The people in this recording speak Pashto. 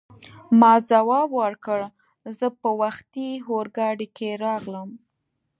ما ځواب ورکړ: زه په وختي اورګاډي کې راغلم.